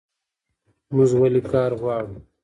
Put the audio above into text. موږ ولې کار غواړو؟